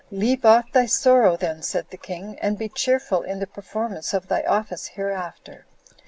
"Leave off thy sorrow then," said the king, "and be cheerful in the performance of thy office hereafter."